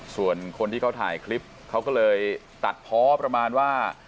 ส่วนคนที่เขาถ่ายคลิปเขาก็เลยตัดเพาะประมาณว่า